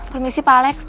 permisi pak alex